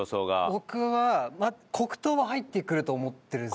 僕は黒糖は入ってくると思ってるんですよね。